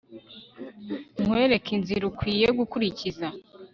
nkwereke inzira ukwiye gukurikira